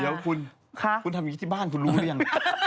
เดี๋ยวคุณคุณทำอย่างนี้ที่บ้านคุณรู้หรือยัง